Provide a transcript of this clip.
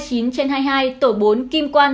hai mươi chín trên hai mươi hai tổ bốn kim quan